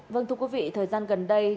vâng thưa quý vị thời gian gần đây